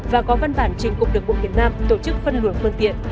và có văn bản trình cục đường bộ việt nam tổ chức phân luồng phương tiện